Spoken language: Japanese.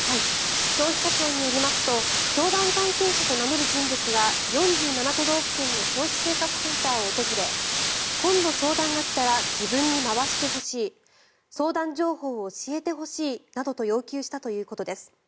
消費者庁によりますと教団関係者と名乗る人物が４７都道府県の消費生活センターを訪れ今度相談が来たら自分に回してほしい相談情報を教えてほしいなどと要求したということです。